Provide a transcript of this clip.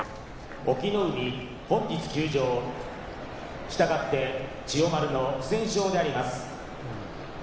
隠岐の海本日休場したがって千代丸の不戦勝であります。